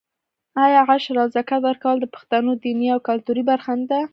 آیا عشر او زکات ورکول د پښتنو دیني او کلتوري برخه نه ده؟